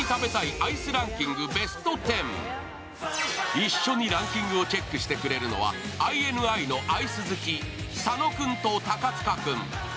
一緒にランキングをチェックして切れるのはＩＮＩのアイス好き、佐野君と高塚君。